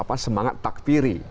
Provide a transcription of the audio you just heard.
ada juga semangat jihadis perang